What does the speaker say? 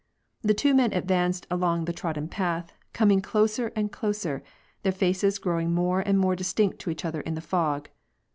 The two men advanced along the trod den path, coming closer and closer, their faces growing more and more distinct to each other in the fog.